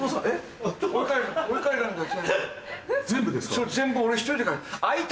そう全部俺１人で描いた。